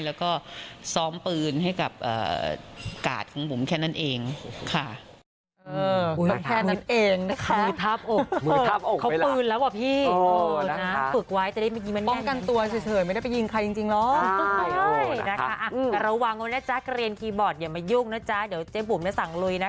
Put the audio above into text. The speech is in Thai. แล้วก็ซ้อมปืนให้กับกาดของบุ๋มแค่นั้นเองค่ะ